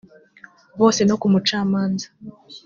bose no ku mucamanza